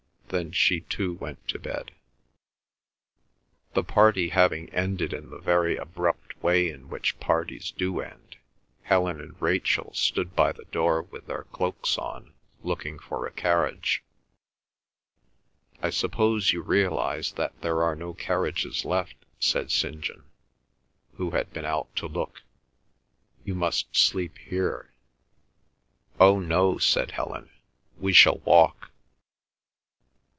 Then she too went to bed. The party having ended in the very abrupt way in which parties do end, Helen and Rachel stood by the door with their cloaks on, looking for a carriage. "I suppose you realise that there are no carriages left?" said St. John, who had been out to look. "You must sleep here." "Oh, no," said Helen; "we shall walk."